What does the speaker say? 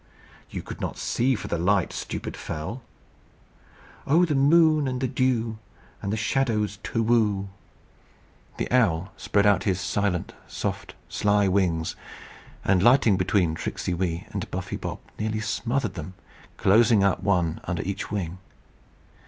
"You could not see for the light, Stupid fowl." "Oh! the Moon! and the Dew! And the Shadows! tu whoo!" The owl spread out his silent, soft, sly wings, and lighting between Tricksey Wee and Buffy Bob, nearly smothered them, closing up one under each wing.